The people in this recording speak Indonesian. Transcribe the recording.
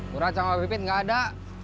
murah sama bibit nggak ada